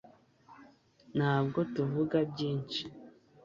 ntabwo tuvuga byinshi